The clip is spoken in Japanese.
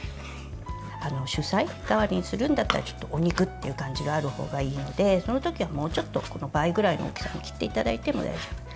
主菜代わりにするんだったらお肉っていう感じがあるほうがいいのでそのときは、もうちょっとこの倍ぐらいの大きさに切っていただいても大丈夫。